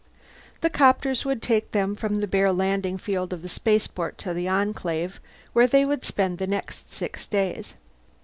The copters would take them from the bare landing field of the spaceport to the Enclave, where they would spend the next six days.